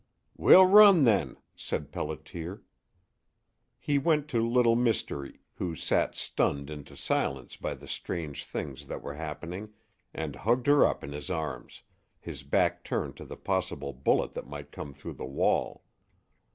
"We'll run, then," said Pelliter. He went to Little Mystery, who sat stunned into silence by the strange things that were happening, and hugged her up in his arms, his back turned to the possible bullet that might come through the wall.